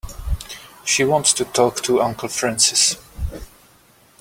She wants to talk to Uncle Francis.